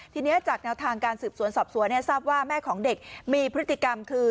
ทีนี้จากแนวทางการสืบสวนสอบสวนทราบว่าแม่ของเด็กมีพฤติกรรมคือ